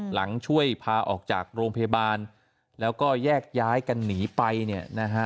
หลังช่วยพาออกจากโรงพยาบาลแล้วก็แยกย้ายกันหนีไปเนี่ยนะฮะ